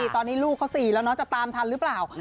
ตอนนี้ลูกเขา๔แล้วน้องจะตามทันหรือเปล่า